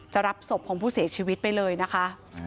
รับศพของผู้เสียชีวิตไปเลยนะคะ